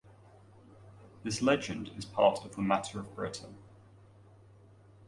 This legend is part of the Matter of Britain.